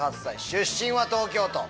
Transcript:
出身は東京都。